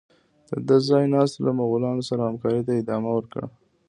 د ده ځای ناستو له مغولانو سره همکارۍ ته ادامه ورکړه.